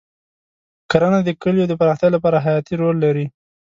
کرنه د کلیو د پراختیا لپاره حیاتي رول لري.